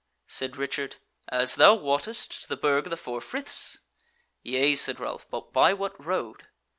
Said Richard: "As thou wottest, to the Burg of the Four Friths." "Yea," said Ralph, "but by what road?"